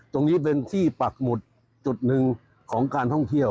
ตรงนี้เป็นที่ปักหมุดจุดหนึ่งของการท่องเที่ยว